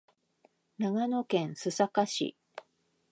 長野県須坂市